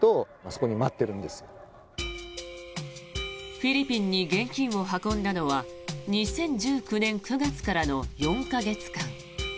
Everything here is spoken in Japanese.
フィリピンに現金を運んだのは２０１９年９月からの４か月間。